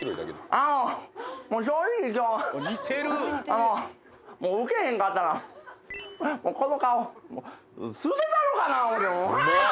「あのもうウケへんかったらこの顔捨てたろかな思うてもうハァ！」